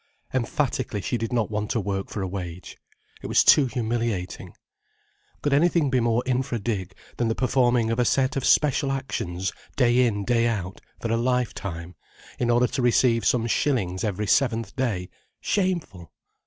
Emphatically, she did not want to work for a wage. It was too humiliating. Could anything be more infra dig than the performing of a set of special actions day in day out, for a life time, in order to receive some shillings every seventh day. Shameful!